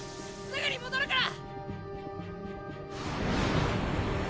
すぐに戻るから！